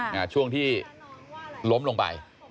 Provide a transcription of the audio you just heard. ในช่วงที่ล้มลงไป